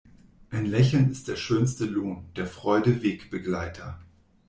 Ein Lächeln ist der schönste Lohn, der Freude Wegbegleiter.